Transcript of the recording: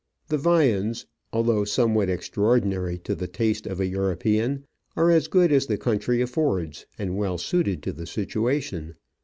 The viands, although somewhat extraordinary to the taste' of a European, are as good as the country affords, and well suited to the situation.